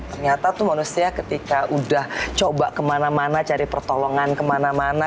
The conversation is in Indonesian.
ternyata tuh manusia ketika udah coba kemana mana cari pertolongan kemana mana